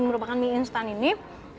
merupakan mie instan ini